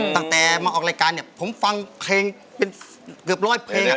ตั้งแต่มาออกรายการเนี่ยผมฟังเพลงเป็นเกือบร้อยเพลง